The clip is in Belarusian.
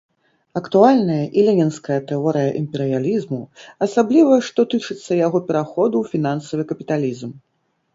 Актуальная і ленінская тэорыя імперыялізму, асабліва, што тычыцца яго пераходу ў фінансавы капіталізм.